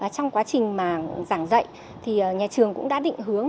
trong quá trình mà giảng dạy thì nhà trường cũng đã định hướng